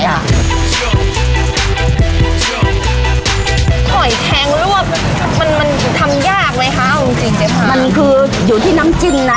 หอยแทงลวกมันมันทำยากไหมคะเอาจริงจริงค่ะมันคืออยู่ที่น้ำจิ้มนะ